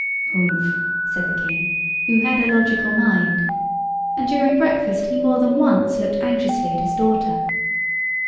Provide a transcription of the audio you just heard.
"Humph!" said the King, who had a logical mind. And during breakfast he more than once looked anxiously at his daughter.